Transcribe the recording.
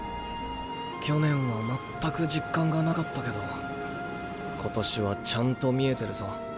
去年はまったく実感がなかったけど今年はちゃんと見えてるぞ。